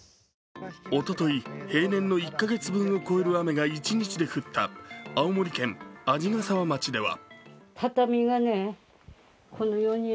おととい平年の１カ月分を超える雨が一日で降った青森県鰺ヶ沢町では。